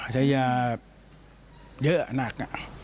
ใช้ยาเยอะหนัก